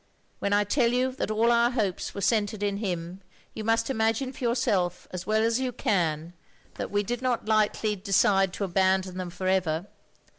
When I tell you that all our hopes were centred in him, you must imagine for your self, as well as you can, that we did not lightly OF GROSVENOR SQUARE 29 decide to abandon them for ever.